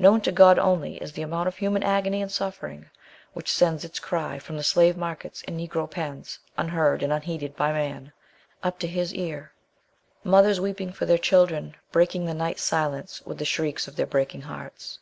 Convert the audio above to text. Known to God only is the amount of human agony and suffering which sends its cry from the slave markets and Negro pens, unheard and unheeded by man, up to his ear; mothers weeping for their children, breaking the night silence with the shrieks of their breaking hearts.